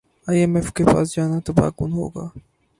ئی M F کے پاس جانا تباہ کن ہوگا